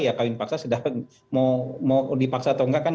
ya kawin paksa sudah mau dipaksa atau enggak kan